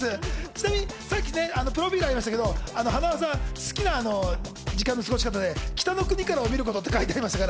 ちなみに、さっきプロフィルがありましたが、塙さん、好きな時間の過ごし方で、『北の国から』を見ることって書いてましたね。